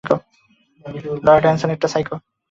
Lloyd Hansen একটা psycho.